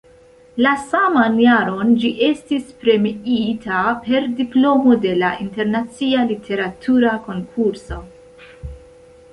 La saman jaron ĝi estis premiita per diplomo de la internacia literatura konkurso.